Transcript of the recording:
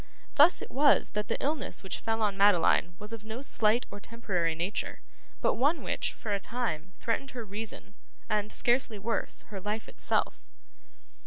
Thus it was that the illness which fell on Madeline was of no slight or temporary nature, but one which, for a time, threatened her reason, and scarcely worse her life itself.